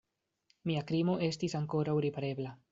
Mia krimo estis ankoraŭ riparebla.